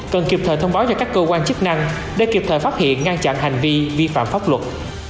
cần kịp thời thông báo cho các cơ quan chức năng để kịp thời phát hiện ngăn chặn hành vi vi phạm pháp luật